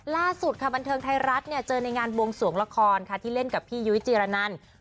ล่าสุดค่ะบันเทิงไทยรัฐเนี่ยเจอในงานบวงสวงละครค่ะที่เล่นกับพี่ยุ้ยจีรนัน